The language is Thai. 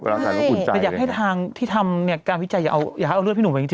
อุ่นใจมันอุ่นใจแต่อยากให้ทางที่ทำการพิจัยอย่าเอาเลือดพี่หนุ่มไปจริง